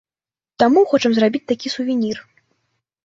Таму хочам зрабіць такі сувенір.